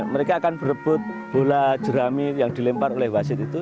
mereka akan berebut bola jerami yang dilempar oleh wasit itu